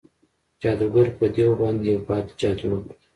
جادوګر په دیو باندې یو بد جادو وکړ.